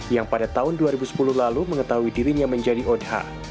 yang pada tahun dua ribu sepuluh lalu mengetahui dirinya menjadi odha